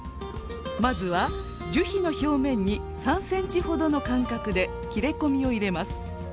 まずは樹皮の表面に３ｃｍほどの間隔で切れ込みを入れます。